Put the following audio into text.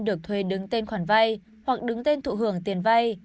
được thuê đứng tên khoản vay hoặc đứng tên thụ hưởng tiền vay